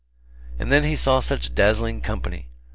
And then he saw such dazzling company.